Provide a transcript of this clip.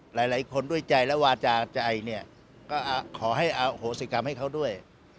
หลายคนด้วยใจและวาจาใจเนี่ยก็ขอให้อโหสิกรรมให้เขาด้วย